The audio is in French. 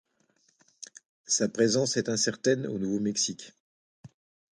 Sa présence est incertaine au Nouveau Mexique.